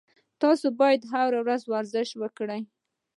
تاسو باید هر ورځ ورزش وکړئ